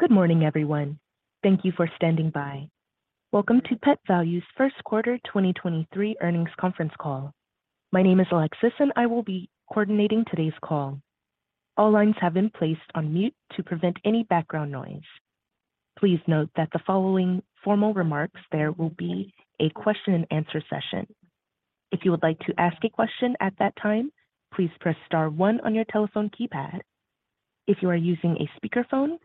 Good morning, everyone. Thank you for standing by. Welcome to Pet Valu's Q1 2023 Earnings Conference Call. My name is Alexis, and I will be coordinating today's call. All lines have been placed on mute to prevent any background noise. Please note that the following formal remarks, there will be a question and answer session. If you would like to ask a question at that time, please press star one on your telephone keypad. If you are using a speakerphone,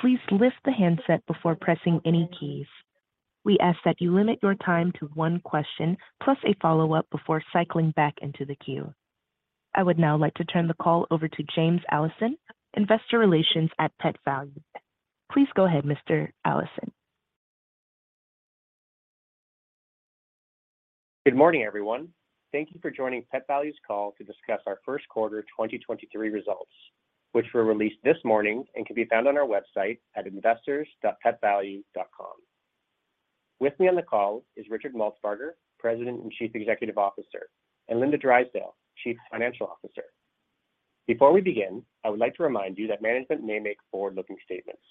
please lift the handset before pressing any keys. We ask that you limit your time to 1 question plus a follow-up before cycling back into the queue. I would now like to turn the call over to James Allison, Investor Relations at Pet Valu. Please go ahead, Mr. Allison. Good morning, everyone. Thank you for joining Pet Valu's call to discuss our Q1 2023 results, which were released this morning and can be found on our website at investors.petvalu.com. With me on the call is Richard Maltsbarger, President and Chief Executive Officer, and Linda Drysdale, Chief Financial Officer. Before we begin, I would like to remind you that management may make forward-looking statements,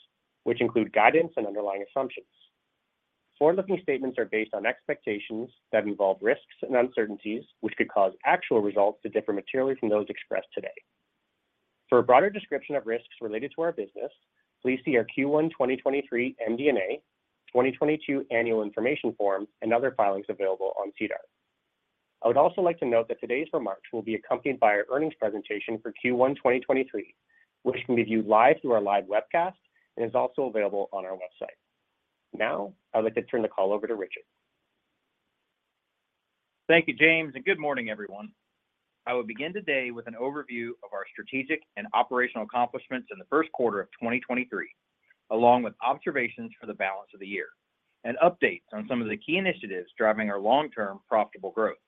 which include guidance and underlying assumptions. Forward-looking statements are based on expectations that involve risks and uncertainties, which could cause actual results to differ materially from those expressed today. For a broader description of risks related to our business, please see our Q1 2023 MD&A, 2022 annual information form, and other filings available on SEDAR. I would also like to note that today's remarks will be accompanied by our earnings presentation for Q1 2023, which can be viewed live through our live webcast and is also available on our website. Now, I would like to turn the call over to Richard. Thank you, James. Good morning, everyone. I will begin today with an overview of our strategic and operational accomplishments in the Q1 of 2023, along with observations for the balance of the year and updates on some of the key initiatives driving our long-term profitable growth.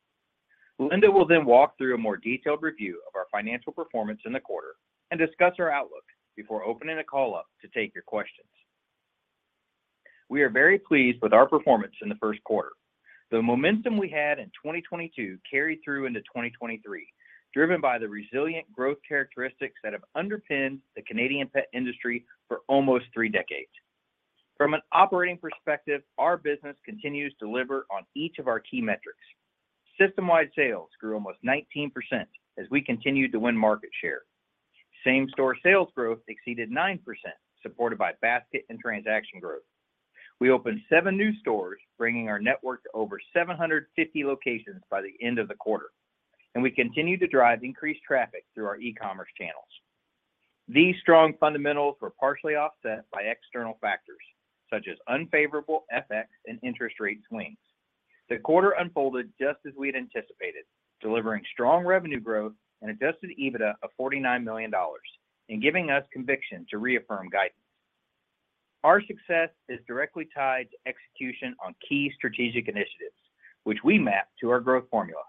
Linda will walk through a more detailed review of our financial performance in the quarter and discuss our outlook before opening the call up to take your questions. We are very pleased with our performance in the Q1. The momentum we had in 2022 carried through into 2023, driven by the resilient growth characteristics that have underpinned the Canadian pet industry for almost three decades. From an operating perspective, our business continues to deliver on each of our key metrics. System-wide sales grew almost 19% as we continued to win market share. Same-store sales growth exceeded 9%, supported by basket and transaction growth. We opened 7 new stores, bringing our network to over 750 locations by the end of the quarter, and we continued to drive increased traffic through our e-commerce channels. These strong fundamentals were partially offset by external factors such as unfavorable FX and interest rate swings. The quarter unfolded just as we had anticipated, delivering strong revenue growth and adjusted EBITDA of 49 million dollars and giving us conviction to reaffirm guidance. Our success is directly tied to execution on key strategic initiatives, which we map to our growth formula.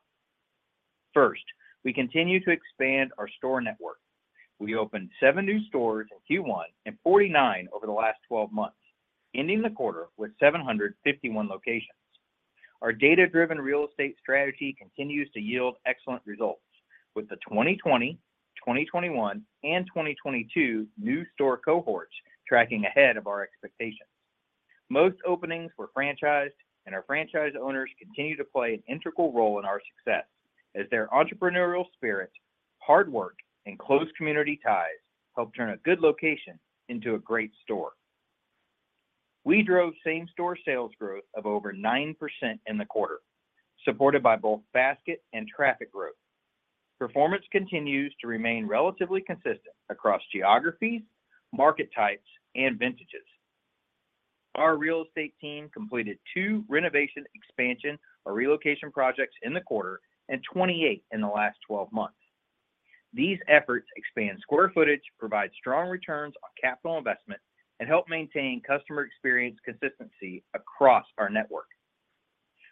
First, we continue to expand our store network. We opened 7 new stores in Q1 and 49 over the last 12 months, ending the quarter with 751 locations. Our data-driven real estate strategy continues to yield excellent results with the 2020, 2021, and 2022 new store cohorts tracking ahead of our expectations. Most openings were franchised, and our franchise owners continue to play an integral role in our success as their entrepreneurial spirit, hard work, and close community ties help turn a good location into a great store. We drove same-store sales growth of over 9% in the quarter, supported by both basket and traffic growth. Performance continues to remain relatively consistent across geographies, market types, and vintages. Our real estate team completed 2 renovation expansion or relocation projects in the quarter and 28 in the last 12 months. These efforts expand square footage, provide strong returns on capital investment, and help maintain customer experience consistency across our network.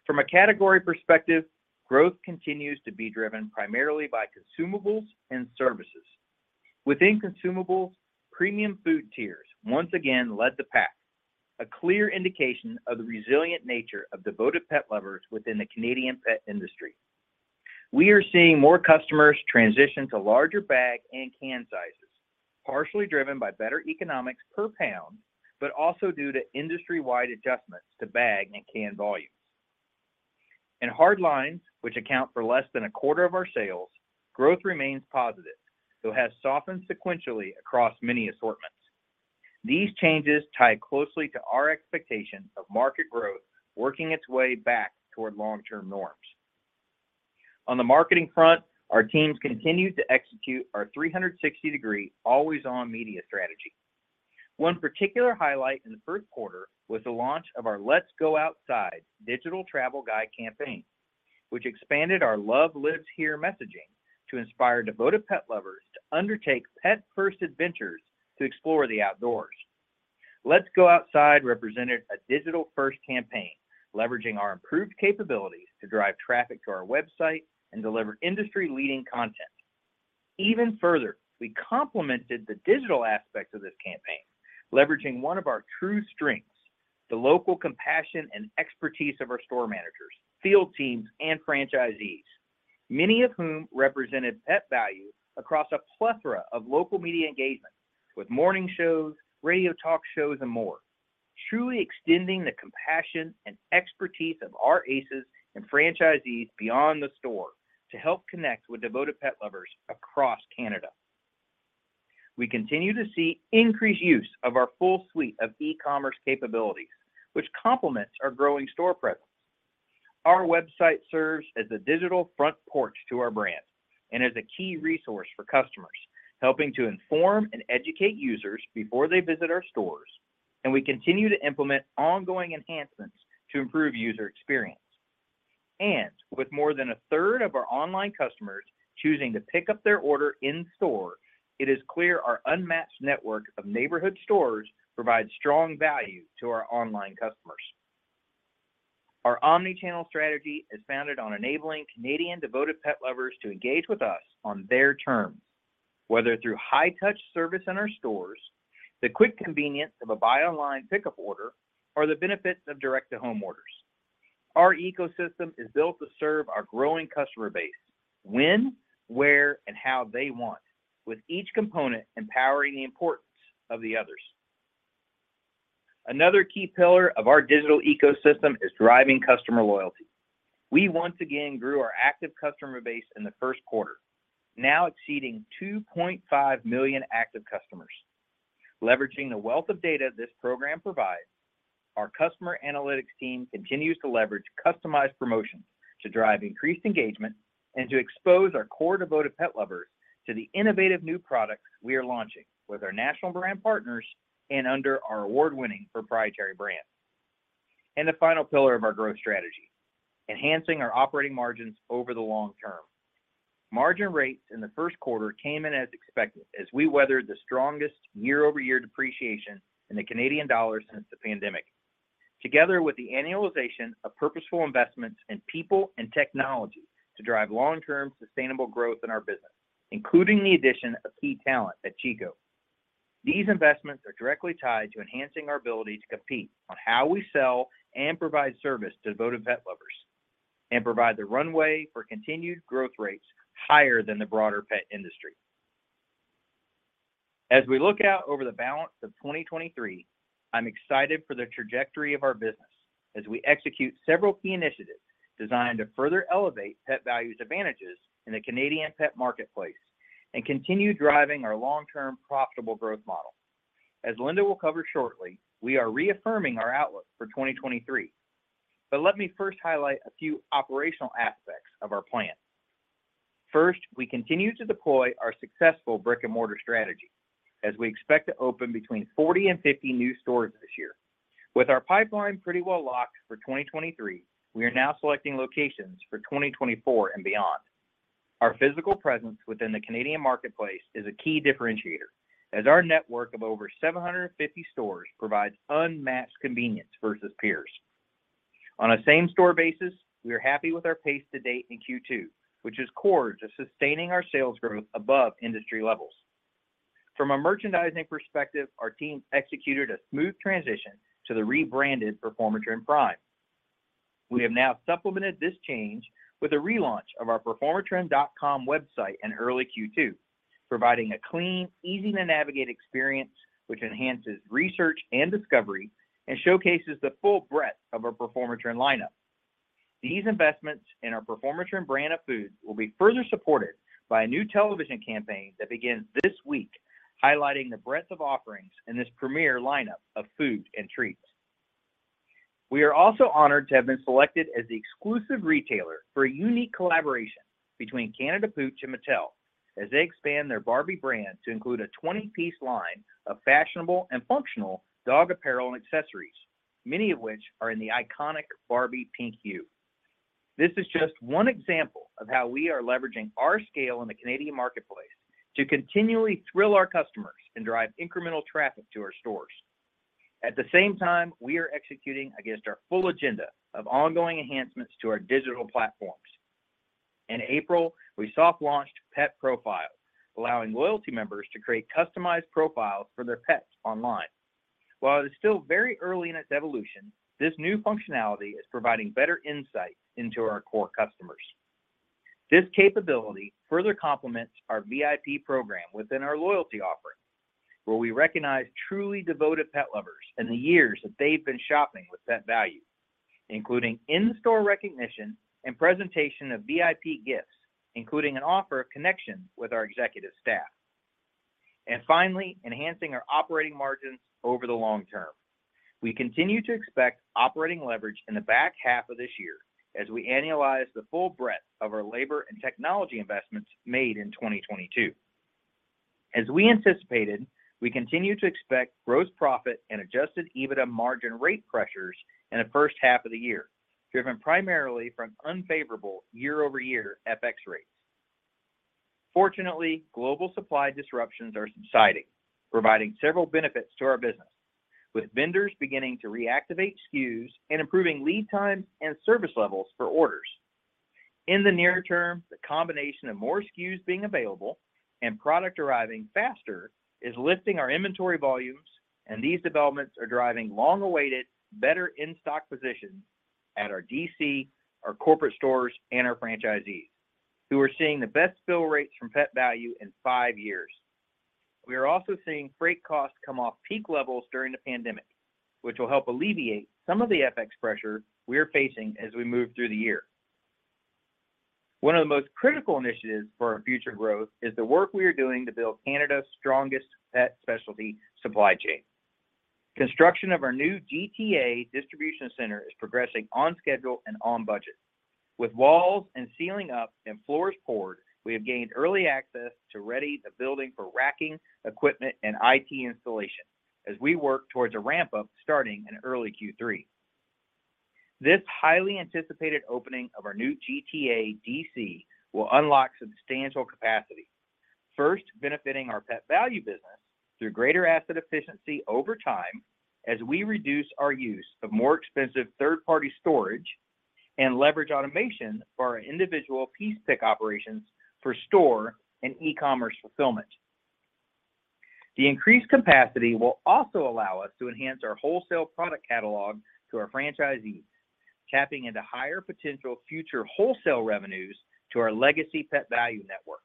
From a category perspective, growth continues to be driven primarily by consumables and services. Within consumables, premium food tiers once again led the pack, a clear indication of the resilient nature of devoted pet lovers within the Canadian pet industry. We are seeing more customers transition to larger bag and can sizes, partially driven by better economics per pound, but also due to industry-wide adjustments to bag and can volumes. In hard lines, which account for less than a quarter of our sales, growth remains positive, though has softened sequentially across many assortments. These changes tie closely to our expectations of market growth working its way back toward long-term norms. On the marketing front, our teams continued to execute our 360-degree always-on media strategy. One particular highlight in the Q1 was the launch of our Let's Go Outside digital travel guide campaign, which expanded our Love Lives Here messaging to inspire devoted pet lovers to undertake pet-first adventures to explore the outdoors. Let's Go Outside represented a digital-first campaign, leveraging our improved capabilities to drive traffic to our website and deliver industry-leading content. Even further, we complemented the digital aspect of this campaign, leveraging one of our true strengths, the local compassion and expertise of our store managers, field teams and franchisees, many of whom represented Pet Valu across a plethora of local media engagements with morning shows, radio talk shows and more, truly extending the compassion and expertise of our ACES and franchisees beyond the store to help connect with devoted pet lovers across Canada. We continue to see increased use of our full suite of e-commerce capabilities, which complements our growing store presence. Our website serves as a digital front porch to our brand and as a key resource for customers, helping to inform and educate users before they visit our stores, and we continue to implement ongoing enhancements to improve user experience. With more than a third of our online customers choosing to pick up their order in store, it is clear our unmatched network of neighborhood stores provides strong value to our online customers. Our omni-channel strategy is founded on enabling Canadian devoted pet lovers to engage with us on their terms, whether through high-touch service in our stores, the quick convenience of a buy online pickup order, or the benefits of direct-to-home orders. Our ecosystem is built to serve our growing customer base when, where, and how they want, with each component empowering the importance of the others. Key pillar of our digital ecosystem is driving customer loyalty. We once again grew our active customer base in the Q1, now exceeding 2.5 million active customers. Leveraging the wealth of data this program provides, our customer analytics team continues to leverage customized promotions to drive increased engagement and to expose our core devoted pet lovers to the innovative new products we are launching with our national brand partners and under our award-winning proprietary brand. The final pillar of our growth strategy, enhancing our operating margins over the long term. Margin rates in the Q1 came in as expected as we weathered the strongest year-over-year depreciation in the Canadian dollar since the pandemic. Together with the annualization of purposeful investments in people and technology to drive long-term sustainable growth in our business, including the addition of key talent at Chico. These investments are directly tied to enhancing our ability to compete on how we sell and provide service to devoted pet lovers and provide the runway for continued growth rates higher than the broader pet industry. As we look out over the balance of 2023, I'm excited for the trajectory of our business as we execute several key initiatives designed to further elevate Pet Valu's advantages in the Canadian pet marketplace and continue driving our long-term profitable growth model. As Linda will cover shortly, we are reaffirming our outlook for 2023. Let me first highlight a few operational aspects of our plan. First, we continue to deploy our successful brick-and-mortar strategy as we expect to open between 40 and 50 new stores this year. With our pipeline pretty well locked for 2023, we are now selecting locations for 2024 and beyond. Our physical presence within the Canadian marketplace is a key differentiator as our network of over 750 stores provides unmatched convenience versus peers. On a same-store basis, we are happy with our pace to date in Q2, which is core to sustaining our sales growth above industry levels. From a merchandising perspective, our team executed a smooth transition to the rebranded Performatrin Prime. We have now supplemented this change with a relaunch of our Performatrin.com website in early Q2, providing a clean, easy-to-navigate experience which enhances research and discovery and showcases the full breadth of our Performatrin lineup. These investments in our Performatrin brand of foods will be further supported by a new television campaign that begins this week, highlighting the breadth of offerings in this premier lineup of food and treats. We are also honored to have been selected as the exclusive retailer for a unique collaboration between Canada Pooch and Mattel as they expand their Barbie brand to include a 20-piece line of fashionable and functional dog apparel and accessories, many of which are in the iconic Barbie pink hue. This is just one example of how we are leveraging our scale in the Canadian marketplace to continually thrill our customers and drive incremental traffic to our stores. At the same time, we are executing against our full agenda of ongoing enhancements to our digital platforms. In April, we soft launched Pet Profiles, allowing loyalty members to create customized profiles for their pets online. While it is still very early in its evolution, this new functionality is providing better insight into our core customers. This capability further complements our VIP program within our loyalty offering, where we recognize truly devoted pet lovers in the years that they've been shopping with Pet Valu, including in-store recognition and presentation of VIP gifts, including an offer of connection with our executive staff. Finally, enhancing our operating margins over the long term. We continue to expect operating leverage in the back half of this year as we annualize the full breadth of our labor and technology investments made in 2022. As we anticipated, we continue to expect gross profit and adjusted EBITDA margin rate pressures in the first half of the year, driven primarily from unfavorable year-over-year FX rates. Fortunately, global supply disruptions are subsiding, providing several benefits to our business. With vendors beginning to reactivate SKUs and improving lead times and service levels for orders. In the near term, the combination of more SKUs being available and product arriving faster is lifting our inventory volumes. These developments are driving long-awaited better in-stock positions at our DC, our corporate stores, and our franchisees, who are seeing the best fill rates from Pet Valu in 5 years. We are also seeing freight costs come off peak levels during the pandemic, which will help alleviate some of the FX pressure we are facing as we move through the year. One of the most critical initiatives for our future growth is the work we are doing to build Canada's strongest pet specialty supply chain. Construction of our new GTA distribution center is progressing on schedule and on budget. With walls and ceiling up and floors poured, we have gained early access to ready the building for racking, equipment, and IT installation as we work towards a ramp-up starting in early Q3. This highly anticipated opening of our new GTA DC will unlock substantial capacity, first benefiting our Pet Valu business through greater asset efficiency over time as we reduce our use of more expensive third-party storage and leverage automation for our individual piece pick operations for store and e-commerce fulfillment. The increased capacity will also allow us to enhance our wholesale product catalog to our franchisees, tapping into higher potential future wholesale revenues to our legacy Pet Valu network.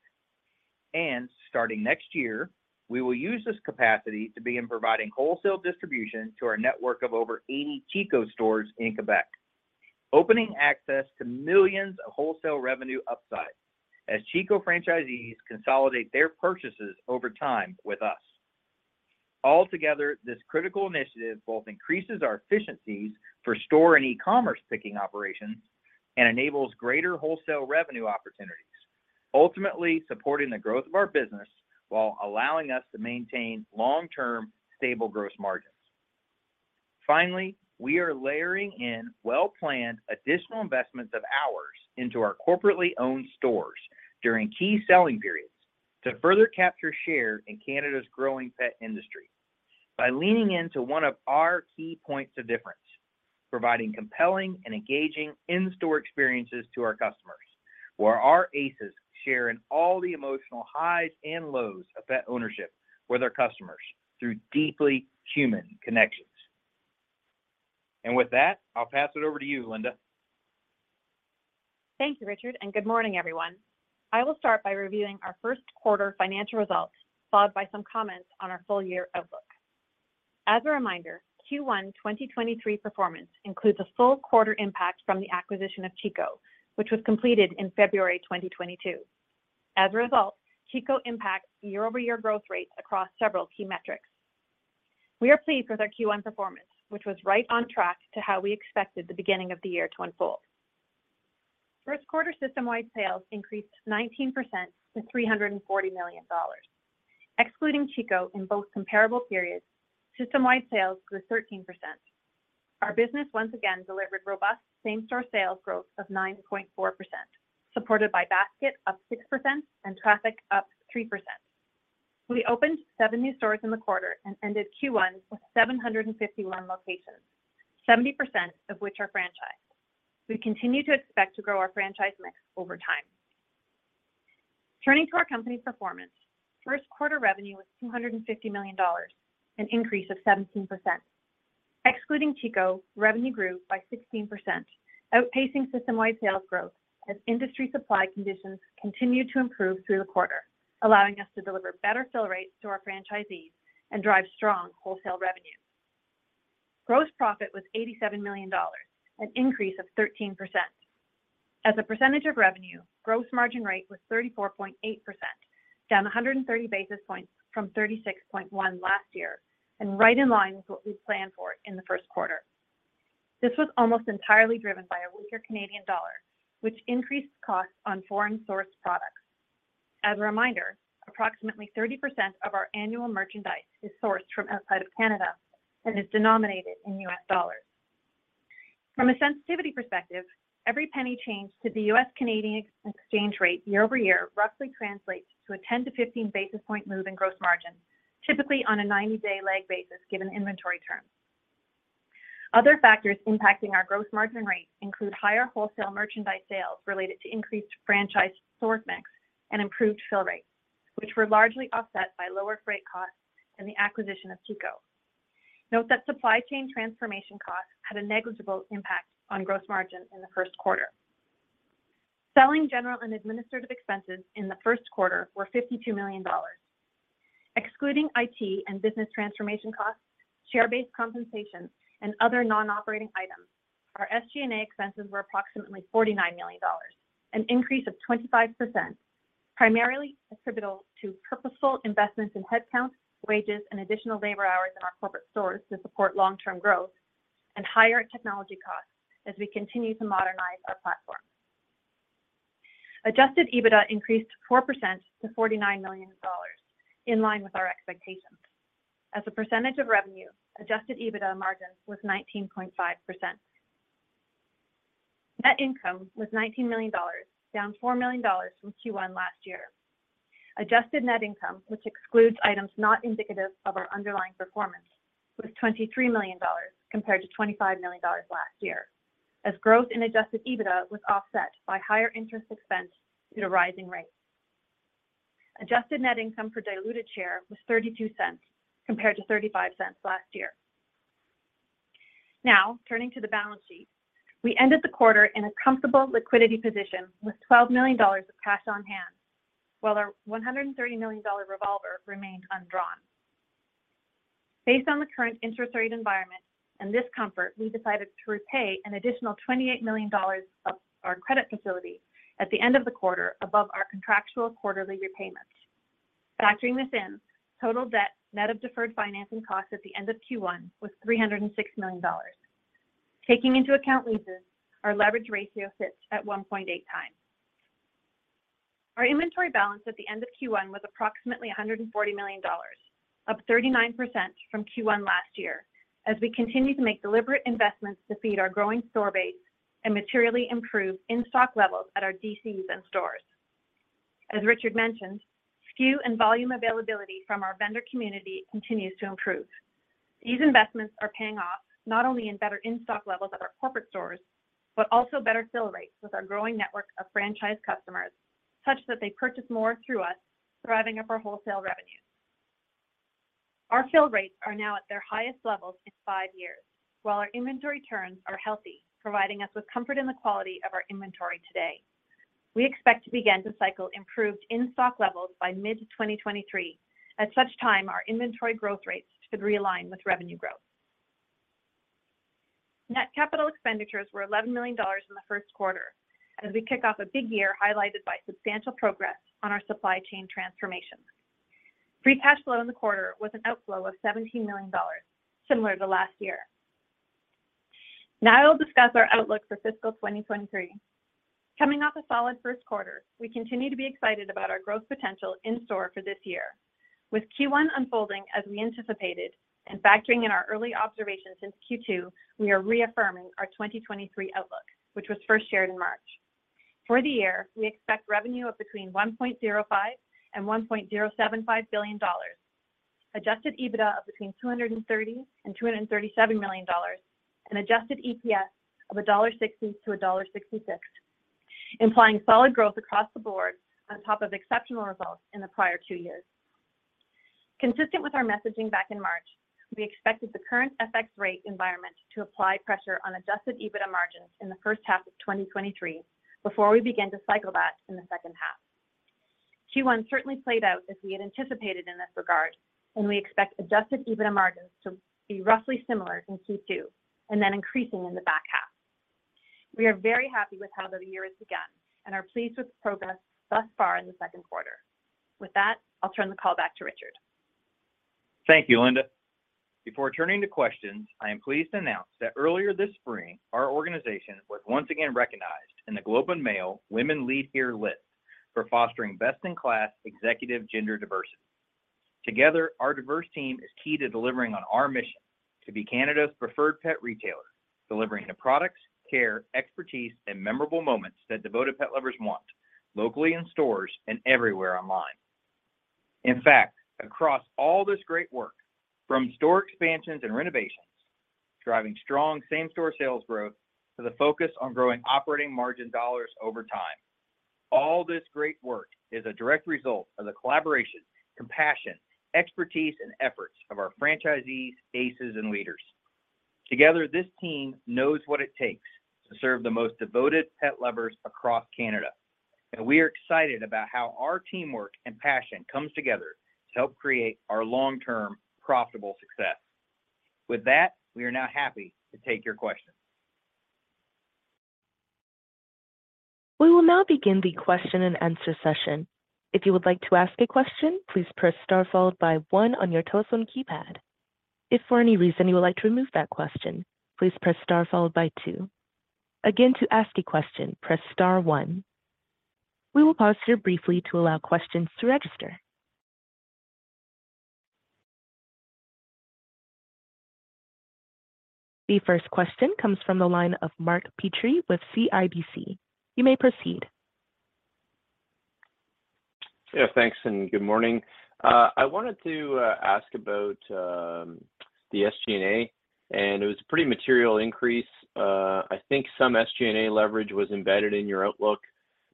Starting next year, we will use this capacity to begin providing wholesale distribution to our network of over 80 Chico stores in Quebec, opening access to millions of wholesale revenue upside as Chico franchisees consolidate their purchases over time with us. Altogether, this critical initiative both increases our efficiencies for store and e-commerce picking operations and enables greater wholesale revenue opportunities, ultimately supporting the growth of our business while allowing us to maintain long-term stable gross margins. Finally, we are layering in well-planned additional investments of ours into our corporately owned stores during key selling periods to further capture share in Canada's growing pet industry by leaning into one of our key points of difference, providing compelling and engaging in-store experiences to our customers, where our ACES share in all the emotional highs and lows of pet ownership with our customers through deeply human connections. With that, I'll pass it over to you, Linda. Thank you, Richard, and good morning, everyone. I will start by reviewing our Q1 financial results, followed by some comments on our full-year outlook. As a reminder, Q1 2023 performance includes a full quarter impact from the acquisition of Chico, which was completed in February 2022. As a result, Chico impacts year-over-year growth rates across several key metrics. We are pleased with our Q1 performance, which was right on track to how we expected the beginning of the year to unfold. Q1 system-wide sales increased 19% to 340 million dollars. Excluding Chico in both comparable periods, system-wide sales grew 13%. Our business once again delivered robust same-store sales growth of 9.4%, supported by basket up 6% and traffic up 3%. We opened 7 new stores in the quarter and ended Q1 with 751 locations, 70% of which are franchised. We continue to expect to grow our franchise mix over time. Turning to our company's performance, Q1 revenue was 250 million dollars, an increase of 17%. Excluding Chico, revenue grew by 16%, outpacing system-wide sales growth as industry supply conditions continued to improve through the quarter, allowing us to deliver better fill rates to our franchisees and drive strong wholesale revenue. Gross profit was 87 million dollars, an increase of 13%. As a percentage of revenue, gross margin rate was 34.8%, down 130 basis points from 36.1% last year and right in line with what we planned for in the Q1. This was almost entirely driven by a weaker Canadian dollar, which increased costs on foreign-sourced products. As a reminder, approximately 30% of our annual merchandise is sourced from outside of Canada and is denominated in US dollars. From a sensitivity perspective, every penny change to the U.S.-Canadian exchange rate year-over-year roughly translates to a 10-15 basis point move in gross margin, typically on a 90-day lag basis given inventory terms. Other factors impacting our gross margin rate include higher wholesale merchandise sales related to increased franchise source mix and improved fill rates, which were largely offset by lower freight costs and the acquisition of Chico. Note that supply chain transformation costs had a negligible impact on gross margin in the Q1. Selling, General and Administrative expenses in the Q1 were 52 million dollars. Excluding IT and business transformation costs, share-based compensation, and other non-operating items, our SG&A expenses were approximately 49 million dollars, an increase of 25%, primarily attributable to purposeful investments in headcount, wages, and additional labor hours in our corporate stores to support long-term growth and higher technology costs as we continue to modernize our platform. Adjusted EBITDA increased 4% to 49 million dollars in line with our expectations. As a percentage of revenue, adjusted EBITDA margin was 19.5%. Net income was 19 million dollars, down 4 million dollars from Q1 last year. Adjusted net income, which excludes items not indicative of our underlying performance, was 23 million dollars compared to 25 million dollars last year, as growth in adjusted EBITDA was offset by higher interest expense due to rising rates. Adjusted net income per diluted share was 0.32 compared to 0.35 last year. Turning to the balance sheet. We ended the quarter in a comfortable liquidity position with 12 million dollars of cash on hand, while our 130 million dollar revolver remained undrawn. Based on the current interest rate environment and this comfort, we decided to repay an additional 28 million dollars of our credit facility at the end of the quarter above our contractual quarterly repayments. Factoring this in, total debt net of deferred financing costs at the end of Q1 was 306 million dollars. Taking into account leases, our leverage ratio sits at 1.8x. Our inventory balance at the end of Q1 was approximately 140 million dollars, up 39% from Q1 last year, as we continue to make deliberate investments to feed our growing store base and materially improve in-stock levels at our DCs and stores. As Richard mentioned, SKU and volume availability from our vendor community continues to improve. These investments are paying off not only in better in-stock levels at our corporate stores, but also better fill rates with our growing network of franchise customers, such that they purchase more through us, driving up our wholesale revenues. Our fill rates are now at their highest levels in five years, while our inventory turns are healthy, providing us with comfort in the quality of our inventory today. We expect to begin to cycle improved in-stock levels by mid 2023. At such time, our inventory growth rates should realign with revenue growth. Net capital expenditures were 11 million dollars in the Q1 as we kick off a big year highlighted by substantial progress on our supply chain transformations. Free cash flow in the quarter was an outflow of 17 million dollars, similar to last year. Now I will discuss our outlook for fiscal 2023. Coming off a solid Q1, we continue to be excited about our growth potential in store for this year. With Q1 unfolding as we anticipated and factoring in our early observations since Q2, we are reaffirming our 2023 outlook, which was first shared in March. For the year, we expect revenue of between 1.05 billion and 1.075 billion dollars, adjusted EBITDA of between 230 million and 237 million dollars, and adjusted EPS of 1.60-1.66 dollar, implying solid growth across the board on top of exceptional results in the prior 2 years. Consistent with our messaging back in March, we expected the current FX rate environment to apply pressure on adjusted EBITDA margins in the first half of 2023 before we begin to cycle that in the second half. Q1 certainly played out as we had anticipated in this regard. We expect adjusted EBITDA margins to be roughly similar in Q2 and then increasing in the back half. We are very happy with how the year has begun and are pleased with progress thus far in the Q2. With that, I'll turn the call back to Richard. Thank you, Linda. Before turning to questions, I am pleased to announce that earlier this spring, our organization was once again recognized in The Globe and Mail Women Lead Here list for fostering best-in-class executive gender diversity. Together, our diverse team is key to delivering on our mission to be Canada's preferred pet retailer, delivering the products, care, expertise, and memorable moments that devoted pet lovers want, locally in stores and everywhere online. In fact, across all this great work, from store expansions and renovations, driving strong same-store sales growth to the focus on growing operating margin dollars over time, all this great work is a direct result of the collaboration, compassion, expertise, and efforts of our franchisees, ACES, and leaders. Together, this team knows what it takes to serve the most devoted pet lovers across Canada, and we are excited about how our teamwork and passion comes together to help create our long-term profitable success. With that, we are now happy to take your questions. We will now begin the question and answer session. If you would like to ask a question, please press star followed by one on your telephone keypad. If for any reason you would like to remove that question, please press star followed by two. Again, to ask a question, press star one. We will pause here briefly to allow questions to register. The first question comes from the line of Mark Petrie with CIBC. You may proceed. Thanks, good morning. I wanted to ask about the SG&A. It was a pretty material increase. I think some SG&A leverage was embedded in your outlook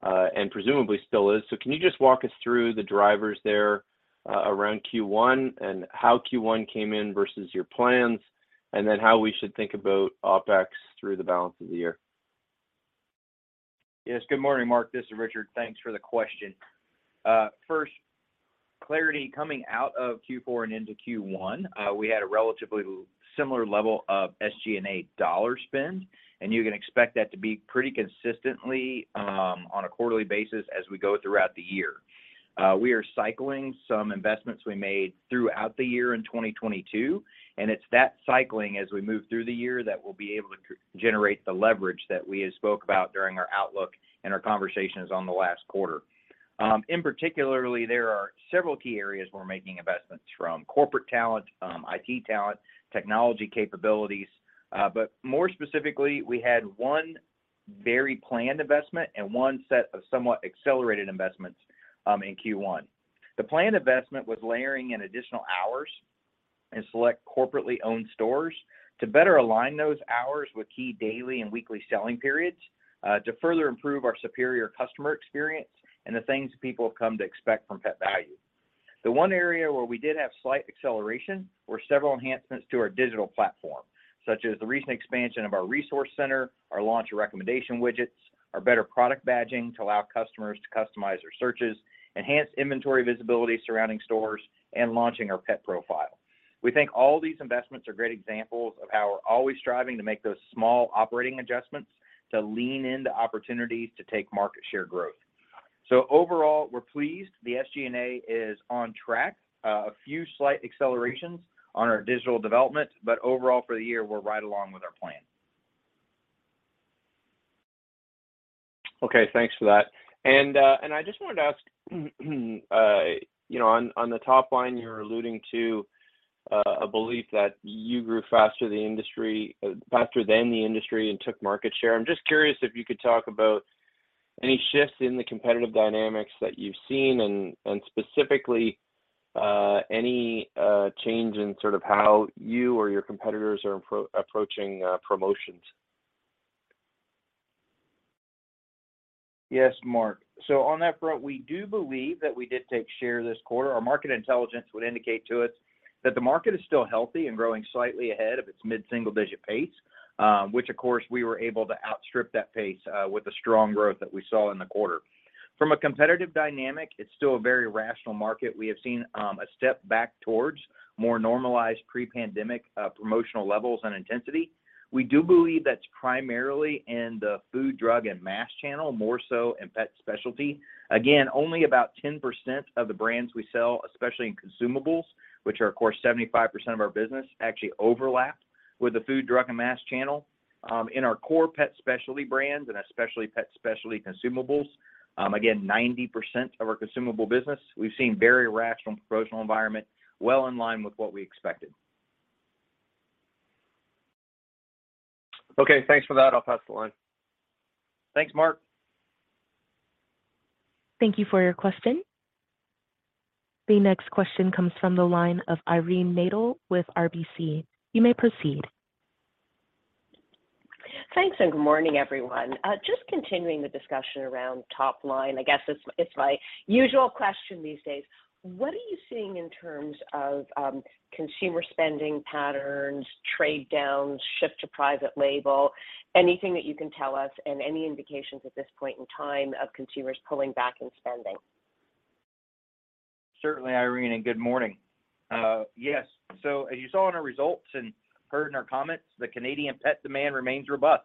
and presumably still is. Can you just walk us through the drivers there around Q1 and how Q1 came in versus your plans, how we should think about OpEx through the balance of the year? Yes, good morning, Mark. This is Richard. Thanks for the question. First, clarity coming out of Q4 and into Q1, we had a relatively similar level of SG&A dollar spend, and you can expect that to be pretty consistently on a quarterly basis as we go throughout the year. We are cycling some investments we made throughout the year in 2022, and it's that cycling as we move through the year that we'll be able to generate the leverage that we had spoke about during our outlook and our conversations on the last quarter. In particularly, there are several key areas we're making investments, from corporate talent, IT talent, technology capabilities, but more specifically, we had one very planned investment and one set of somewhat accelerated investments in Q1. The planned investment was layering in additional hours in select corporately owned stores to better align those hours with key daily and weekly selling periods, to further improve our superior customer experience and the things people have come to expect from Pet Valu. The one area where we did have slight acceleration were several enhancements to our digital platform, such as the recent expansion of our resource center, our launch of recommendation widgets, our better product badging to allow customers to customize their searches, enhanced inventory visibility surrounding stores, and launching our Pet Profiles. We think all these investments are great examples of how we're always striving to make those small operating adjustments to lean into opportunities to take market share growth. Overall, we're pleased. The SG&A is on track. A few slight accelerations on our digital development, but overall for the year, we're right along with our plan. Okay, thanks for that. I just wanted to ask, you know, on the top line, you're alluding to, a belief that you grew faster than the industry and took market share. I'm just curious if you could talk about any shifts in the competitive dynamics that you've seen and, specifically, any change in sort of how you or your competitors are approaching promotions? Yes, Mark. On that front, we do believe that we did take share this quarter. Our market intelligence would indicate to us that the market is still healthy and growing slightly ahead of its mid-single-digit pace, which of course, we were able to outstrip that pace with the strong growth that we saw in the quarter. From a competitive dynamic, it's still a very rational market. We have seen a step back towards more normalized pre-pandemic promotional levels and intensity. We do believe that's primarily in the food, drug and mass channel, more so in pet specialty. Only about 10% of the brands we sell, especially in consumables, which are of course 75% of our business, actually overlap with the food, drug and mass channel. In our core pet specialty brands and especially pet specialty consumables, again, 90% of our consumable business, we've seen very rational promotional environment well in line with what we expected. Okay, thanks for that. I'll pass the line. Thanks, Mark. Thank you for your question. The next question comes from the line of Irene Nattel with RBC. You may proceed. Thanks. Good morning, everyone. Just continuing the discussion around top line. I guess it's my usual question these days. What are you seeing in terms of consumer spending patterns, trade downs, shift to private label? Anything that you can tell us. Any indications at this point in time of consumers pulling back and spending? Certainly, Irene, good morning. Yes. As you saw in our results and heard in our comments, the Canadian pet demand remains robust.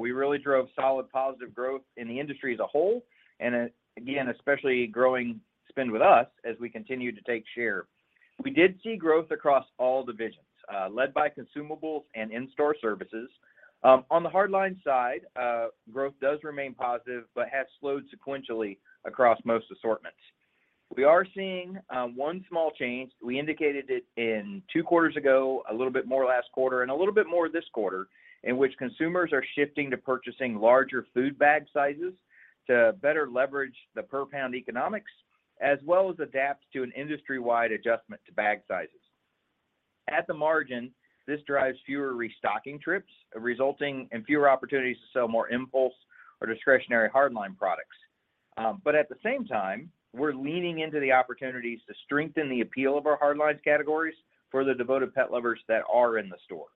We really drove solid positive growth in the industry as a whole, again, especially growing spend with us as we continue to take share. We did see growth across all divisions, led by consumables and in-store services. On the hard line side, growth does remain positive but has slowed sequentially across most assortments. We are seeing one small change. We indicated it in 2 quarters ago, a little bit more last quarter, and a little bit more this quarter, in which consumers are shifting to purchasing larger food bag sizes to better leverage the per pound economics, as well as adapt to an industry-wide adjustment to bag sizes. At the margin, this drives fewer restocking trips, resulting in fewer opportunities to sell more impulse or discretionary hard line products. At the same time, we're leaning into the opportunities to strengthen the appeal of our hard lines categories for the devoted pet lovers that are in the store.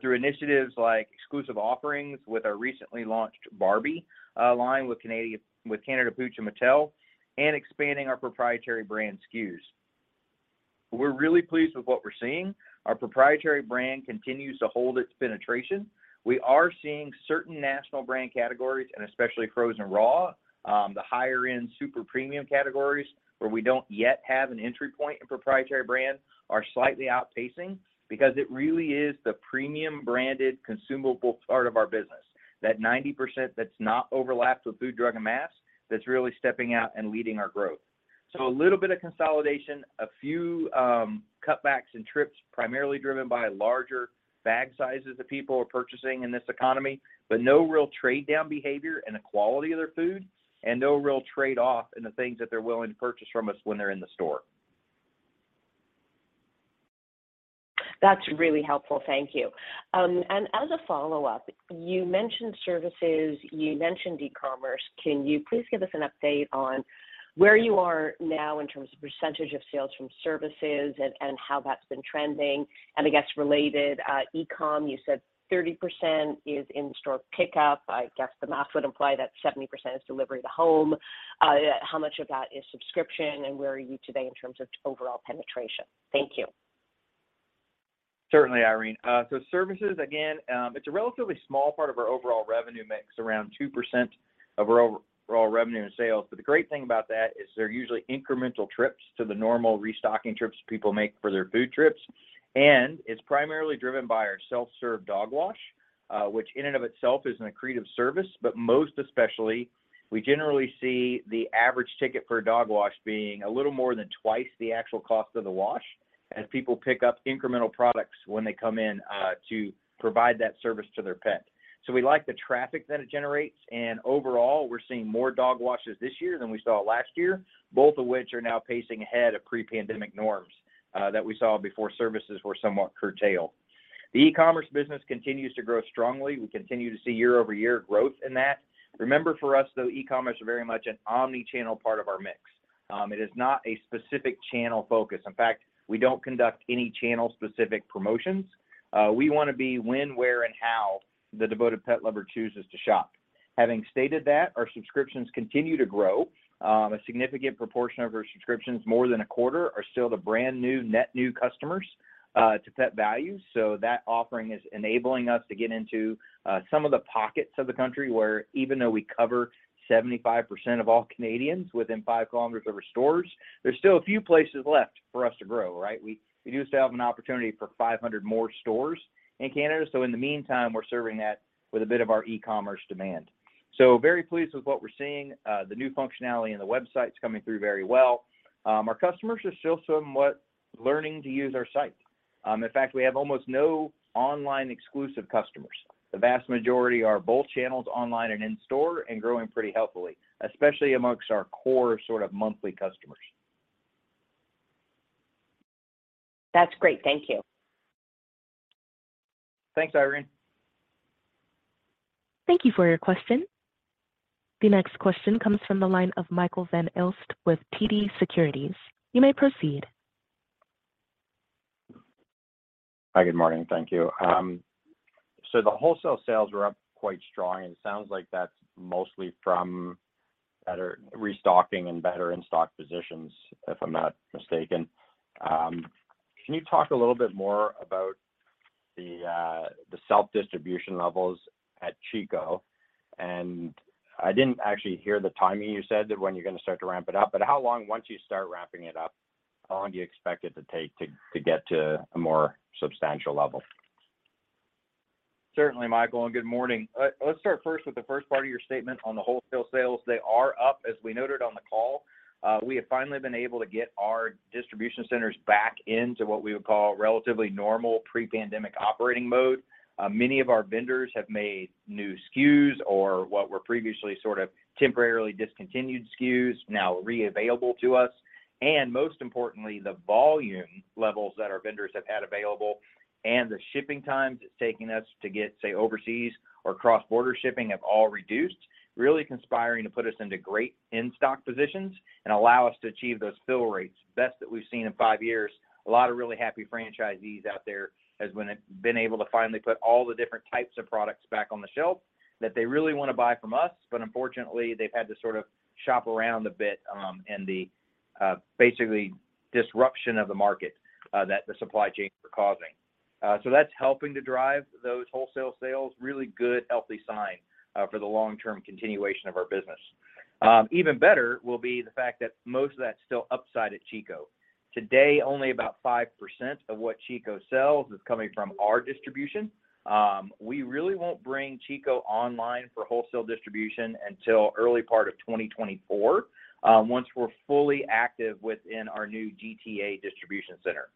Through initiatives like exclusive offerings with our recently launched Barbie line with Canada Pooch and Mattel, and expanding our proprietary brand SKUs. We're really pleased with what we're seeing. Our proprietary brand continues to hold its penetration We are seeing certain national brand categories, and especially frozen raw, the higher-end super premium categories where we don't yet have an entry point in proprietary brand are slightly outpacing because it really is the premium branded consumable part of our business. That 90% that's not overlapped with food, drug and mass, that's really stepping out and leading our growth. A little bit of consolidation, a few cutbacks in trips, primarily driven by larger bag sizes that people are purchasing in this economy, but no real trade-down behavior in the quality of their food and no real trade-off in the things that they're willing to purchase from us when they're in the store. That's really helpful. Thank you. As a follow-up, you mentioned services, you mentioned e-commerce. Can you please give us an update on where you are now in terms of percentage of sales from services and how that's been trending? I guess related, e-com, you said 30% is in-store pickup. I guess the math would imply that 70% is delivery to home. How much of that is subscription, and where are you today in terms of overall penetration? Thank you. Certainly, Irene Nattel. So services, again, it's a relatively small part of our overall revenue mix, around 2% of our overall revenue and sales. But the great thing about that is they're usually incremental trips to the normal restocking trips people make for their food trips. And it's primarily driven by our self-serve dog wash, which in and of itself isn't accretive service, but most especially we generally see the average ticket for a dog wash being a little more than 2x the actual cost of the wash as people pick up incremental products when they come in to provide that service to their pet. So we like the traffic that it generates, and overall, we're seeing more dog washes this year than we saw last year, both of which are now pacing ahead of pre-pandemic norms that we saw before services were somewhat curtailed. The e-commerce business continues to grow strongly. We continue to see year-over-year growth in that. Remember for us, though, e-commerce is very much an omni-channel part of our mix. It is not a specific channel focus. In fact, we don't conduct any channel-specific promotions. We wanna be when, where, and how the devoted pet lover chooses to shop. Having stated that, our subscriptions continue to grow. A significant proportion of our subscriptions, more than a quarter, are still to brand-new, net new customers, to Pet Valu. That offering is enabling us to get into some of the pockets of the country where even though we cover 75% of all Canadians within 5 kilometers of our stores, there's still a few places left for us to grow, right? We do still have an opportunity for 500 more stores in Canada. In the meantime, we're serving that with a bit of our e-commerce demand. Very pleased with what we're seeing. The new functionality in the website's coming through very well. Our customers are still somewhat learning to use our site. In fact, we have almost no online exclusive customers. The vast majority are both channels online and in-store and growing pretty healthily, especially amongst our core sort of monthly customers. That's great. Thank you. Thanks, Irene. Thank you for your question. The next question comes from the line of Michael Van Aelst with TD Securities. You may proceed. Hi. Good morning. Thank you. The wholesale sales were up quite strong, and it sounds like that's mostly from better restocking and better in-stock positions, if I'm not mistaken. Can you talk a little bit more about the self-distribution levels at Chico? I didn't actually hear the timing you said that when you're gonna start to ramp it up, but how long once you start ramping it up, how long do you expect it to take to get to a more substantial level? Certainly, Michael, and good morning. Let's start first with the first part of your statement on the wholesale sales. They are up, as we noted on the call. We have finally been able to get our distribution centers back into what we would call relatively normal pre-pandemic operating mode. Many of our vendors have made new SKUs or what were previously sort of temporarily discontinued SKUs now reavailable to us. Most importantly, the volume levels that our vendors have had available and the shipping times it's taking us to get, say, overseas or cross-border shipping have all reduced, really conspiring to put us into great in-stock positions and allow us to achieve those fill rates, best that we've seen in five years. A lot of really happy franchisees out there has been able to finally put all the different types of products back on the shelf that they really wanna buy from us. Unfortunately, they've had to sort of shop around a bit in the basically disruption of the market that the supply chains were causing. That's helping to drive those wholesale sales. Really good, healthy sign for the long-term continuation of our business. Even better will be the fact that most of that's still upside at Chico. Today, only about 5% of what Chico sells is coming from our distribution. We really won't bring Chico online for wholesale distribution until early part of 2024 once we're fully active within our new GTA Distribution Center.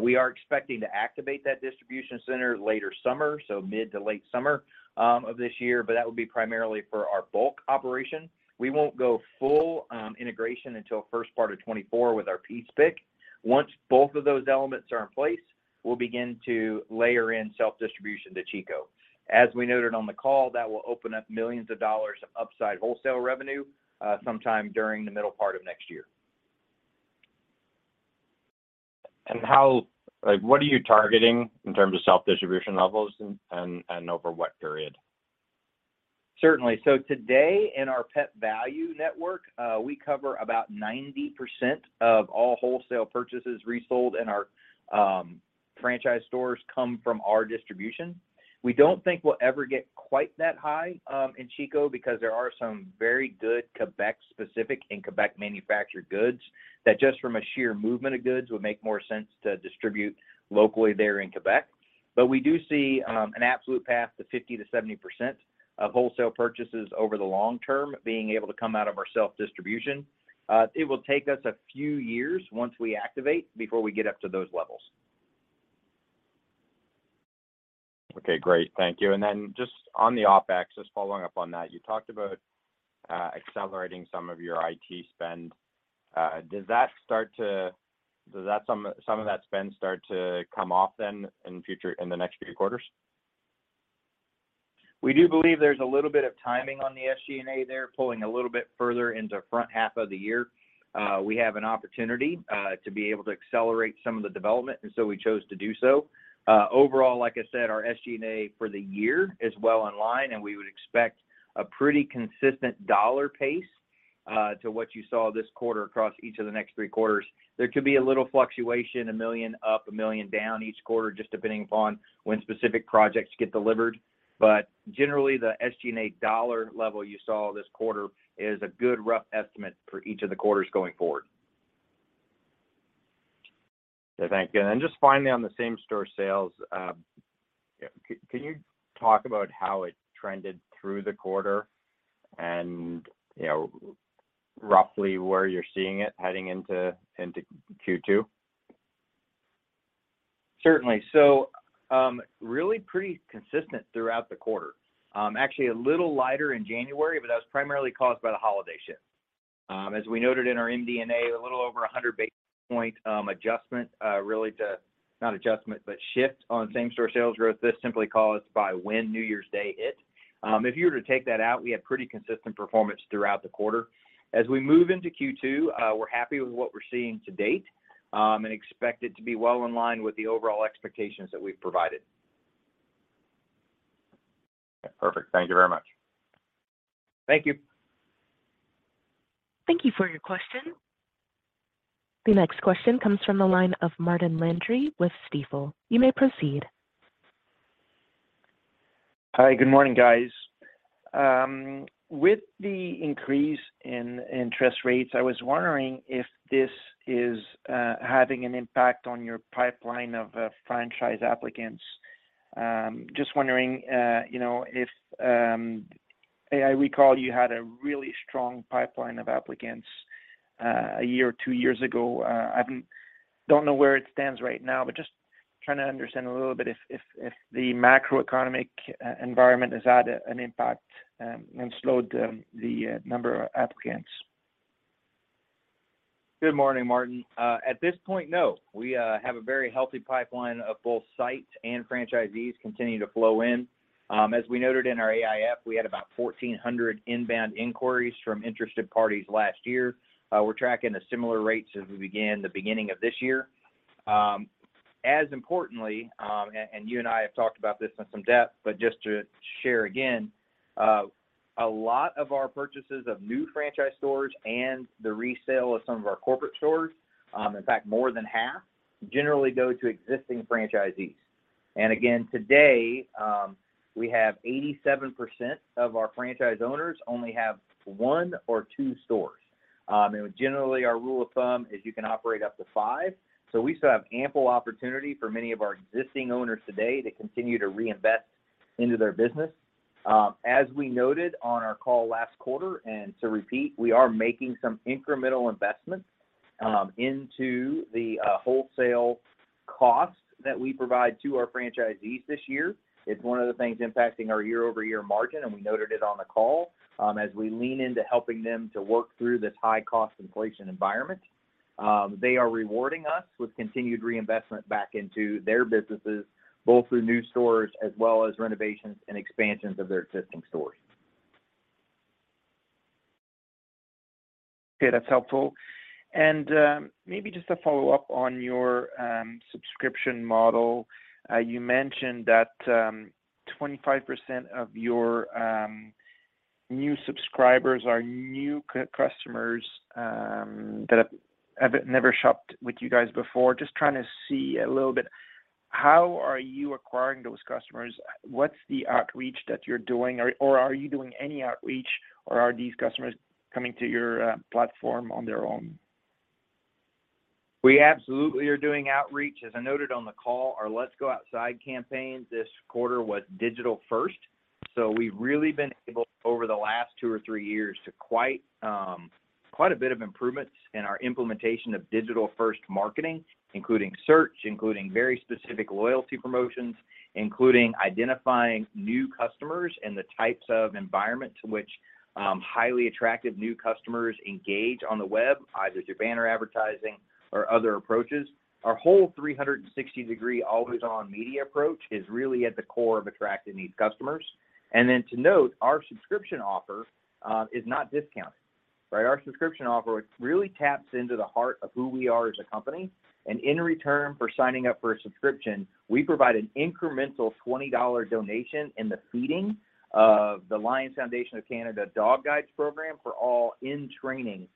We are expecting to activate that distribution center later summer, so mid to late summer of this year, but that would be primarily for our bulk operation. We won't go full integration until first part of 2024 with our piece pick. Once both of those elements are in place, we'll begin to layer in self-distribution to Chico. As we noted on the call, that will open up millions of dollars of upside wholesale revenue sometime during the middle part of next year. Like, what are you targeting in terms of self-distribution levels and over what period? Certainly. Today in our Pet Valu network, we cover about 90% of all wholesale purchases resold, and our franchise stores come from our distribution. We don't think we'll ever get quite that high in Chico because there are some very good Quebec-specific and Quebec-manufactured goods that just from a sheer movement of goods would make more sense to distribute locally there in Quebec. We do see an absolute path to 50%-70% of wholesale purchases over the long term being able to come out of our self-distribution. It will take us a few years once we activate before we get up to those levels. Okay, great. Thank you. Then just on the OpEx, just following up on that, you talked about accelerating some of your IT spend. Does that spend start to come off then in the next few quarters? We do believe there's a little bit of timing on the SG&A there pulling a little bit further into front half of the year. We have an opportunity to be able to accelerate some of the development. We chose to do so. Overall, like I said, our SG&A for the year is well in line. We would expect a pretty consistent dollar pace to what you saw this quarter across each of the next three quarters. There could be a little fluctuation, 1 million up, 1 million down each quarter just depending upon when specific projects get delivered. Generally, the SG&A dollar level you saw this quarter is a good rough estimate for each of the quarters going forward. Thank you. Then just finally on the same-store sales, can you talk about how it trended through the quarter and, you know, roughly where you're seeing it heading into Q2? Certainly. Really pretty consistent throughout the quarter. Actually a little lighter in January, but that was primarily caused by the holiday shift. As we noted in our MD&A, a little over 100 basis point adjustment, really not adjustment, but shift on same-store sales growth. This simply caused by when New Year's Day hit. If you were to take that out, we had pretty consistent performance throughout the quarter. As we move into Q2, we're happy with what we're seeing to date, and expect it to be well in line with the overall expectations that we've provided. Perfect. Thank you very much. Thank you. Thank you for your question. The next question comes from the line of Martin Landry with Stifel. You may proceed. Hi, good morning, guys. With the increase in interest rates, I was wondering if this is having an impact on your pipeline of franchise applicants. Just wondering, you know, if I recall you had a really strong pipeline of applicants a year or two years ago. I don't know where it stands right now, but just trying to understand a little bit if the macroeconomic environment has had an impact and slowed the number of applicants. Good morning, Martin. At this point, no. We have a very healthy pipeline of both sites and franchisees continuing to flow in. As we noted in our AIF, we had about 1,400 inbound inquiries from interested parties last year. We're tracking the similar rates as we begin the beginning of this year. As importantly, and you and I have talked about this in some depth, but just to share again, a lot of our purchases of new franchise stores and the resale of some of our corporate stores, in fact, more than half, generally go to existing franchisees. Again, today, we have 87% of our franchise owners only have one or two stores. Generally, our rule of thumb is you can operate up to five. We still have ample opportunity for many of our existing owners today to continue to reinvest into their business. As we noted on our call last quarter, and to repeat, we are making some incremental investments into the wholesale costs that we provide to our franchisees this year. It's one of the things impacting our year-over-year margin, and we noted it on the call. As we lean into helping them to work through this high cost inflation environment, they are rewarding us with continued reinvestment back into their businesses, both through new stores as well as renovations and expansions of their existing stores. Okay, that's helpful. Maybe just a follow-up on your subscription model. You mentioned that 25% of your new subscribers are new customers that have never shopped with you guys before. Just trying to see a little bit, how are you acquiring those customers? What's the outreach that you're doing? Or are you doing any outreach, or are these customers coming to your platform on their own? We absolutely are doing outreach. As I noted on the call, our Let's Go Outside campaign this quarter was digital first. We've really been able over the last 2 or 3 years to quite a bit of improvements in our implementation of digital first marketing, including search, including very specific loyalty promotions, including identifying new customers and the types of environment to which highly attractive new customers engage on the web, either through banner advertising or other approaches. Our whole 360-degree always on media approach is really at the core of attracting these customers. To note, our subscription offer, is not discounted, right? Our subscription offer really taps into the heart of who we are as a company. In return for signing up for a subscription, we provide an incremental 20 dollar donation in the feeding of the Lions Foundation of Canada Dog Guides program for all in-training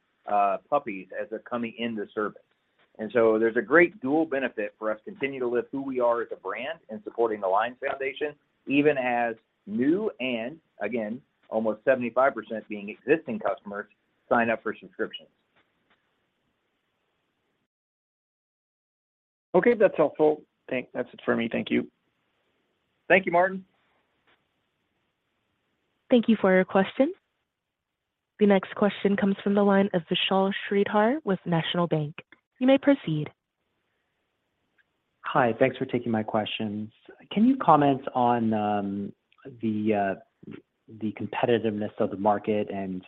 puppies as they're coming into service. There's a great dual benefit for us to continue to lift who we are as a brand in supporting the Lions Foundation, even as new and again, almost 75% being existing customers sign up for subscriptions. Okay. That's helpful. Think that's it for me. Thank you. Thank you, Martin. Thank you for your question. The next question comes from the line of Vishal Shreedhar with National Bank. You may proceed. Hi. Thanks for taking my questions. Can you comment on the competitiveness of the market and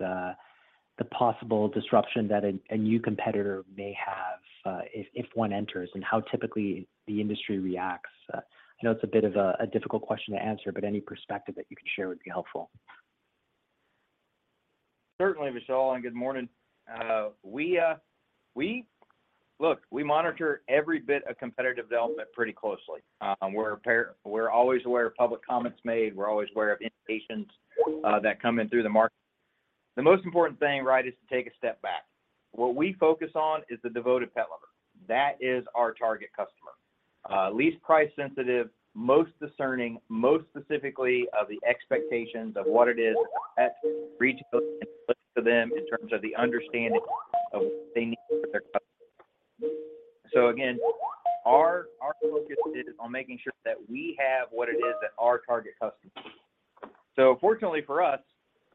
the possible disruption that a new competitor may have if one enters, and how typically the industry reacts? I know it's a bit of a difficult question to answer, but any perspective that you can share would be helpful. Certainly, Vishal, good morning. We monitor every bit of competitive development pretty closely. We're always aware of public comments made. We're always aware of innovations that come in through the market. The most important thing, right, is to take a step back. What we focus on is the devoted pet lover. That is our target customer. Least price sensitive, most discerning, most specifically of the expectations of what it is at retail to them in terms of the understanding of what they need for their customers. Again, our focus is on making sure that we have what it is that our target customers need. Fortunately for us,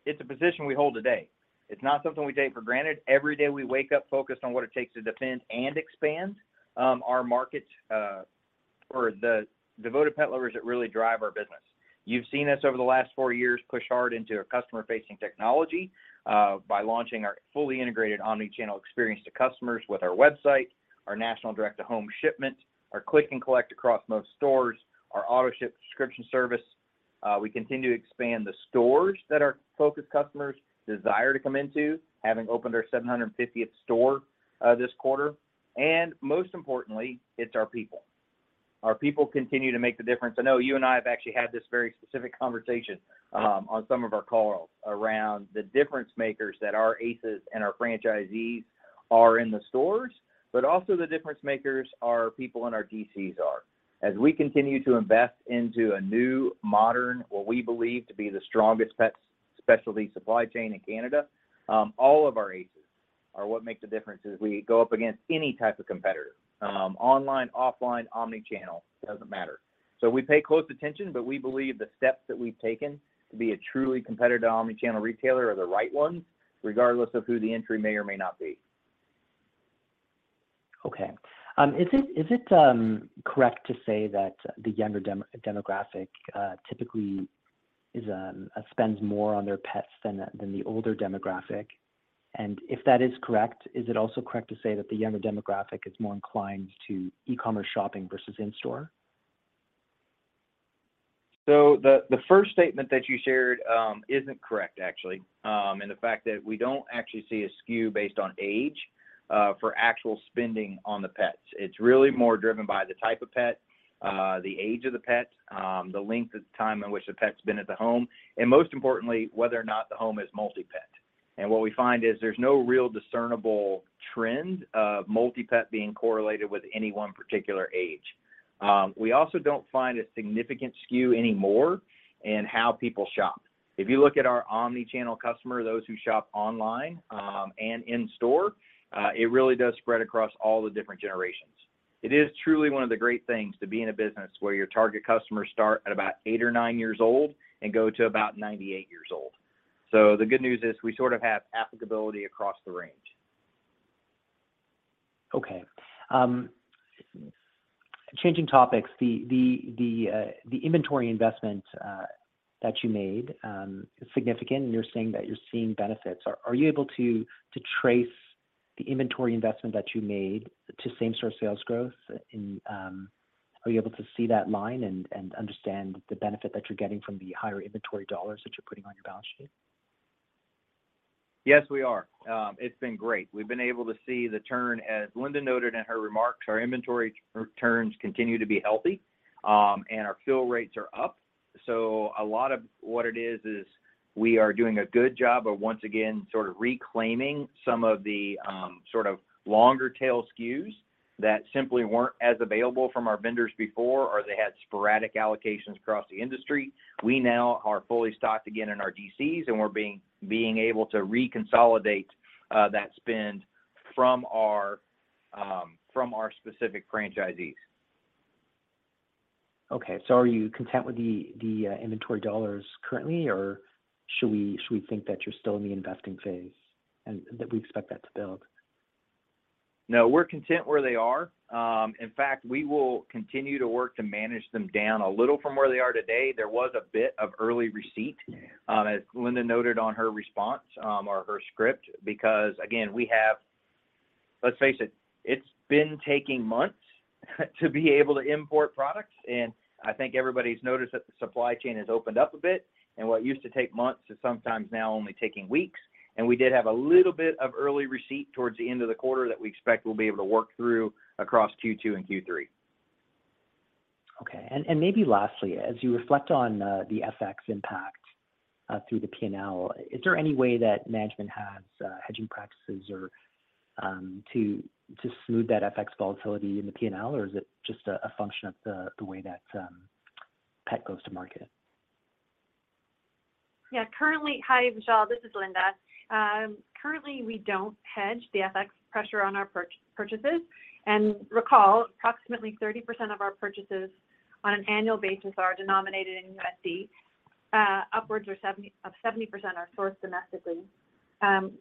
it's a position we hold today. It's not something we take for granted. Every day we wake up focused on what it takes to defend and expand our market or the devoted pet lovers that really drive our business. You've seen us over the last four years push hard into a customer-facing technology by launching our fully integrated omni-channel experience to customers with our website, our national direct-to-home shipment, our click and collect across most stores, our AutoShip subscription service. We continue to expand the stores that our focused customers desire to come into, having opened our 750th store this quarter. Most importantly, it's our people. Our people continue to make the difference. I know you and I have actually had this very specific conversation, on some of our calls around the difference makers that our ACES and our franchisees are in the stores, but also the difference makers our people in our DCs are. As we continue to invest into a new, modern, what we believe to be the strongest pet specialty supply chain in Canada, all of our ACES are what makes a difference as we go up against any type of competitor, online, offline, omni-channel, doesn't matter. We pay close attention. We believe the steps that we've taken to be a truly competitive omni-channel retailer are the right ones, regardless of who the entry may or may not be. Okay. Is it correct to say that the younger demographic typically spends more on their pets than the older demographic? If that is correct, is it also correct to say that the younger demographic is more inclined to e-commerce shopping versus in-store? The first statement that you shared, isn't correct actually, in the fact that we don't actually see a skew based on age, for actual spending on the pets. It's really more driven by the type of pet, the age of the pet, the length of time in which the pet's been at the home, and most importantly, whether or not the home is multi-pet. What we find is there's no real discernible trend of multi-pet being correlated with any one particular age. We also don't find a significant skew anymore in how people shop. If you look at our omni-channel customer, those who shop online, and in store, it really does spread across all the different generations. It is truly one of the great things to be in a business where your target customers start at about eight or nine years old and go to about 98 years old. The good news is we sort of have applicability across the range. Okay. Changing topics. The inventory investment that you made is significant, and you're saying that you're seeing benefits. Are you able to trace the inventory investment that you made to same-store sales growth in? Are you able to see that line and understand the benefit that you're getting from the higher inventory dollars that you're putting on your balance sheet? Yes, we are. It's been great. We've been able to see the turn. As Linda noted in her remarks, our inventory turns continue to be healthy, and our fill rates are up. A lot of what it is we are doing a good job of once again sort of reclaiming some of the, sort of longer tail SKUs that simply weren't as available from our vendors before or they had sporadic allocations across the industry. We now are fully stocked again in our DCs, and we're being able to reconsolidate that spend from our, from our specific franchisees. Okay. Are you content with the inventory dollars currently, or should we think that you're still in the investing phase and that we expect that to build? No, we're content where they are. In fact, we will continue to work to manage them down a little from where they are today. There was a bit of early receipt, as Linda noted on her response, or her script because, again, Let's face it's been taking months to be able to import products, and I think everybody's noticed that the supply chain has opened up a bit, and what used to take months is sometimes now only taking weeks. We did have a little bit of early receipt towards the end of the quarter that we expect we'll be able to work through across Q2 and Q3. Okay. Maybe lastly, as you reflect on the FX impact through the P&L, is there any way that management has hedging practices or to smooth that FX volatility in the P&L, or is it just a function of the way that Pet Valu goes to market? Yeah. Currently... Hi, Vishal. This is Linda. Currently we don't hedge the FX pressure on our purchases. Recall, approximately 30% of our purchases on an annual basis are denominated in USD. Upwards of 70% are sourced domestically.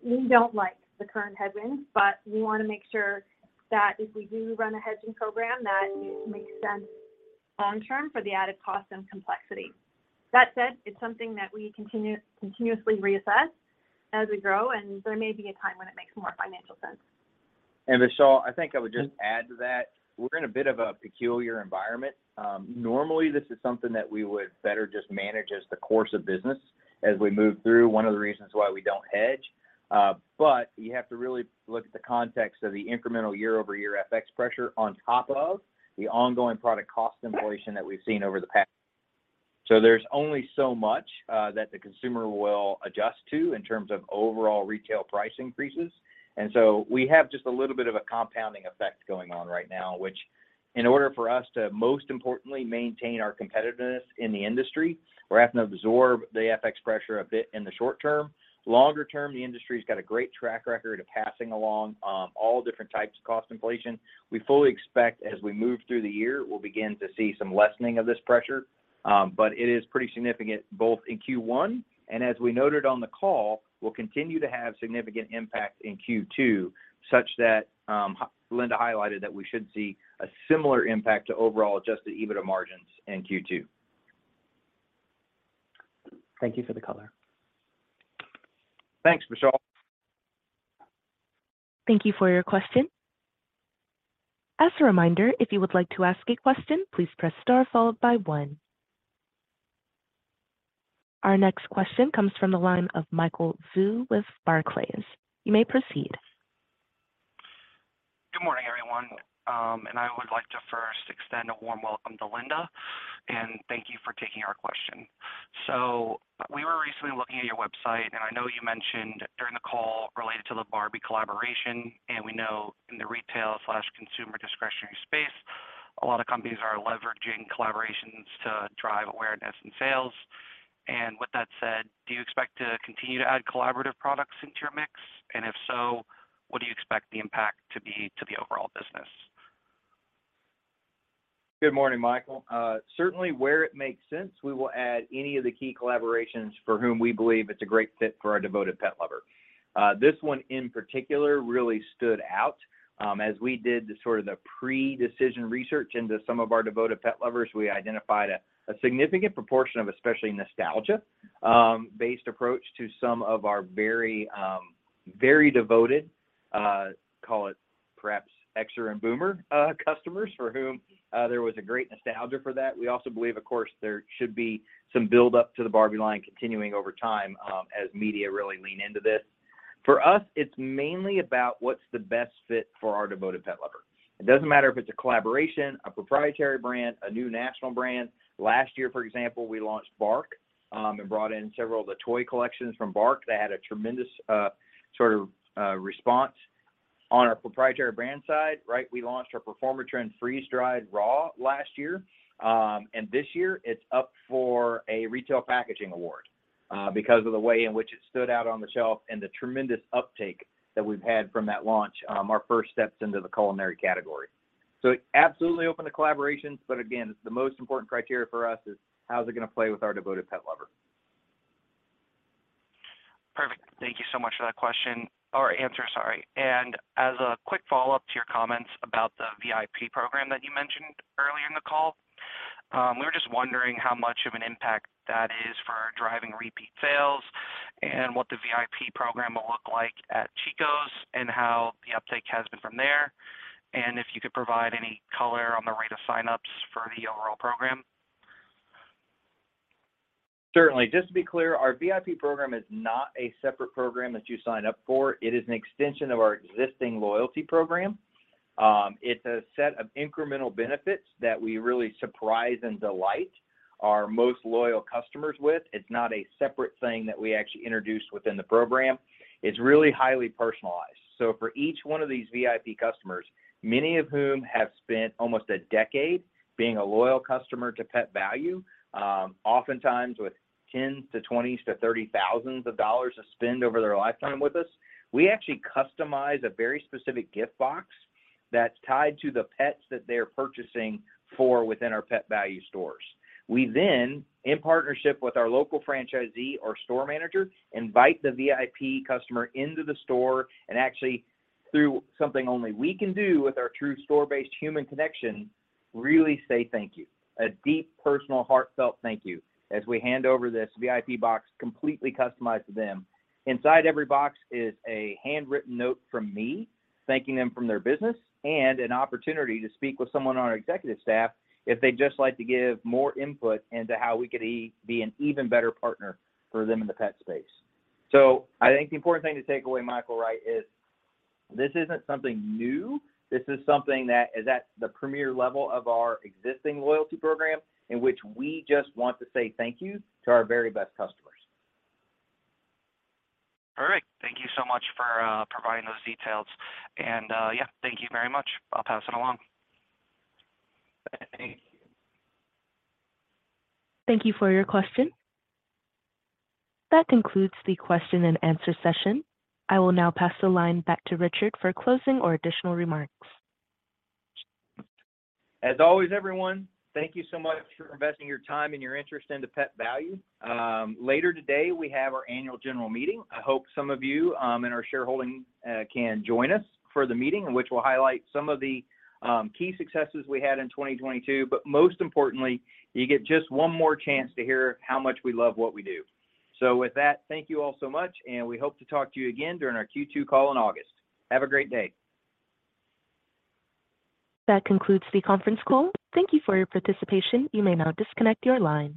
We don't like the current headwind, but we wanna make sure that if we do run a hedging program, that it makes sense long-term for the added cost and complexity. That said, it's something that we continuously reassess as we grow, and there may be a time when it makes more financial sense. Vishal, I think I would just add to that, we're in a bit of a peculiar environment. Normally this is something that we would better just manage as the course of business as we move through, one of the reasons why we don't hedge. You have to really look at the context of the incremental year-over-year FX pressure on top of the ongoing product cost inflation that we've seen over the past. There's only so much that the consumer will adjust to in terms of overall retail price increases. We have just a little bit of a compounding effect going on right now, which in order for us to most importantly maintain our competitiveness in the industry, we're having to absorb the FX pressure a bit in the short term. Longer term, the industry's got a great track record of passing along, all different types of cost inflation. We fully expect as we move through the year, we'll begin to see some lessening of this pressure. It is pretty significant both in Q1 and as we noted on the call, we'll continue to have significant impact in Q2 such that, Linda highlighted that we should see a similar impact to overall adjusted EBITDA margins in Q2. Thank you for the color. Thanks, Vishal. Thank you for your question. As a reminder, if you would like to ask a question, please press star followed by one. Our next question comes from the line of Michael Vu with Barclays. You may proceed. Good morning, everyone. I would like to first extend a warm welcome to Linda, and thank you for taking our question. We were recently looking at your website, and I know you mentioned during the call related to the Barbie collaboration, and we know in the retail/consumer discretionary space, a lot of companies are leveraging collaborations to drive awareness and sales. With that said, do you expect to continue to add collaborative products into your mix? If so, what do you expect the impact to be to the overall business? Good morning, Michael. Certainly where it makes sense, we will add any of the key collaborations for whom we believe it's a great fit for our devoted pet lover. This one in particular really stood out, as we did the sort of the pre-decision research into some of our devoted pet lovers. We identified a significant proportion of especially nostalgia based approach to some of our very devoted, call it perhaps X-er and boomer customers for whom there was a great nostalgia for that. We also believe of course, there should be some build up to the Barbie line continuing over time, as media really lean into this. For us, it's mainly about what's the best fit for our devoted pet lover. It doesn't matter if it's a collaboration, a proprietary brand, a new national brand. Last year, for example, we launched BARK, and brought in several of the toy collections from BARK that had a tremendous response on our proprietary brand side. We launched our Performatrin Ultra Freeze-Dried Raw last year. This year it's up for a retail packaging award, because of the way in which it stood out on the shelf and the tremendous uptake that we've had from that launch, our first steps into the culinary category. Absolutely open to collaborations, but again, the most important criteria for us is how's it gonna play with our devoted pet lover. Perfect. Thank you so much for that question or answer, sorry. As a quick follow-up to your comments about the VIP program that you mentioned earlier in the call, we were just wondering how much of an impact that is for driving repeat sales and what the VIP program will look like at Chico and how the uptake has been from there, and if you could provide any color on the rate of sign-ups for the overall program. Certainly. Just to be clear, our VIP program is not a separate program that you sign up for. It is an extension of our existing loyalty program. It's a set of incremental benefits that we really surprise and delight our most loyal customers with. It's not a separate thing that we actually introduced within the program. It's really highly personalized. For each one of these VIP customers, many of whom have spent almost a decade being a loyal customer to Pet Valu, oftentimes with tens to twenties to 30 thousands of CAD to spend over their lifetime with us, we actually customize a very specific gift box that's tied to the pets that they're purchasing for within our Pet Valu stores. We, in partnership with our local franchisee or store manager, invite the VIP customer into the store and actually through something only we can do with our true store-based human connection, really say thank you. A deep, personal, heartfelt thank you as we hand over this VIP box completely customized to them. Inside every box is a handwritten note from me thanking them from their business and an opportunity to speak with someone on our executive staff if they'd just like to give more input into how we could be an even better partner for them in the pet space. I think the important thing to take away, Michael, right, is this isn't something new. This is something that is at the premier level of our existing loyalty program in which we just want to say thank you to our very best customers. Perfect. Thank you so much for providing those details. Yeah, thank you very much. I'll pass it along. Thank you. Thank you for your question. That concludes the question and answer session. I will now pass the line back to Richard for closing or additional remarks. As always, everyone, thank you so much for investing your time and your interest into Pet Valu. Later today, we have our annual general meeting. I hope some of you in our shareholding can join us for the meeting in which we'll highlight some of the key successes we had in 2022. Most importantly, you get just one more chance to hear how much we love what we do. With that, thank you all so much, and we hope to talk to you again during our Q2 call in August. Have a great day. That concludes the conference call. Thank you for your participation. You may now disconnect your line.